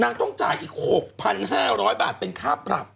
ต้องจ่ายอีก๖๕๐๐บาทเป็นค่าปรับ